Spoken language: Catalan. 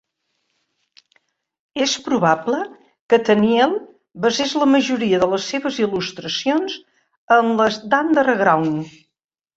És probable que Tenniel basés la majoria de les seves il·lustracions en les d'"Under Ground".